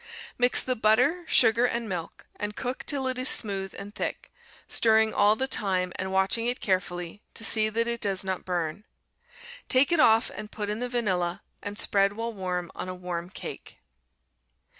Mix the butter, sugar, and milk, and cook till it is smooth and thick, stirring all the time and watching it carefully to see that it does not burn; take it off and put in the vanilla, and spread while warm on a warm cake.